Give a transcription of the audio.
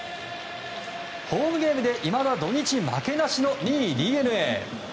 ホームゲームでいまだ土日負けなしの２位、ＤｅＮＡ。